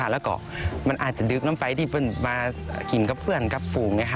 แล้วก็มันอาจจะดึกน้ำไฟที่มากินกับเพื่อนกับฝูง